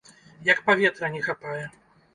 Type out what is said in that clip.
Як паветра не хапае.